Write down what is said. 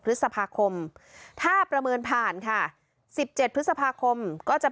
พฤษภาคมถ้าประเมินผ่านค่ะ๑๗พฤษภาคมก็จะ